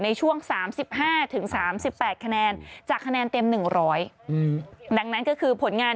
ในช่วง๓๕๓๘คะแนนจากคะแนนเต็ม๑๐๐ดังนั้นก็คือผลงาน